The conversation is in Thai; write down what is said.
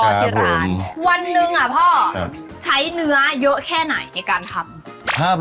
วันหนึ่งใช้เนื้อเยอะแค่ไหนการทำ